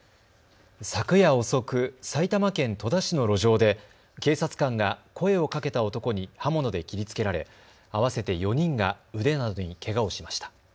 昨夜遅く、埼玉県戸田市の路上で警察官が声をかけた男に刃物で切りつけられ合わせて４人が腕などにけがをしました。